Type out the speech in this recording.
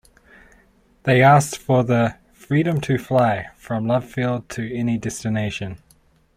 They asked for the "freedom to fly" from Love Field to any destination.